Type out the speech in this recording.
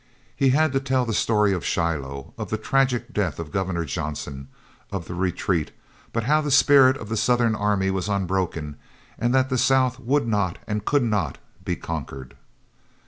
He had to tell the story of Shiloh, of the tragic death of Governor Johnson, of the retreat, but how the spirit of the Southern army was unbroken, and that the South would not, and could not, be conquered.